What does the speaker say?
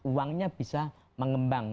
uangnya bisa mengembang